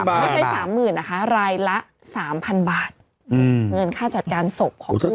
ไม่ใช่๓๐๐๐นะคะรายละ๓๐๐๐บาทเงินค่าจัดการศพของทุกคน